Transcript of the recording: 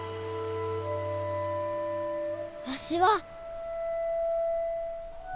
わしは。